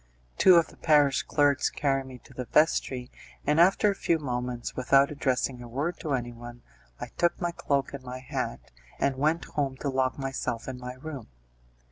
Two of the parish clerks carried me to the vestry, and after a few moments, without addressing a word to anyone, I took my cloak and my hat, and went home to lock myself in my room.